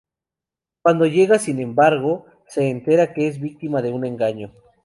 Cuando llega, sin embargo, se entera de que es víctima de un engaño.